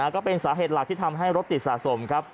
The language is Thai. ก็เป็นสาเหตุหลักที่ทำให้รถติดสะสมครับ